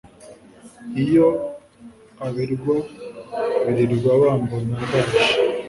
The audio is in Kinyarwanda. iyo abirwa birirwa bambona ndaje